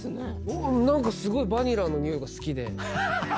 何かすごいバニラの匂いが好きで。